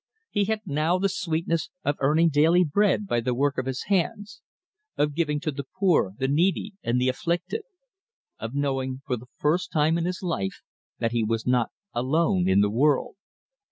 He had now the sweetness of earning daily bread by the work of his hands; of giving to the poor, the needy, and the afflicted; of knowing for the first time in his life that he was not alone in the world.